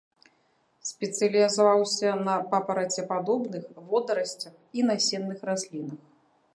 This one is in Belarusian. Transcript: Спецыялізаваўся на папарацепадобных, водарасцях і насенных раслінах.